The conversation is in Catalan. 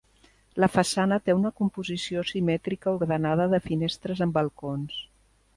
La façana té una composició simètrica ordenada de finestres amb balcons.